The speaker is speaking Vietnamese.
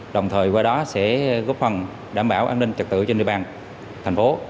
đồng thời qua đó sẽ góp phần đảm bảo an ninh trật tự trên địa bàn thành phố